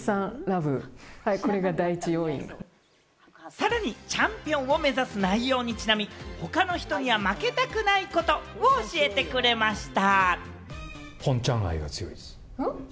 さらにチャンピオンを目指す内容にちなみ、他の人には負けたくないことを教えてくれました。